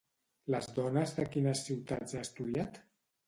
Les dones de quines ciutats ha estudiat?